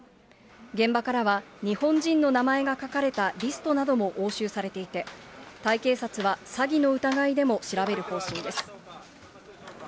現場からは、日本人の名前が書かれたリストなども押収されていて、タイ警察は詐欺の疑いでも調べる方針です。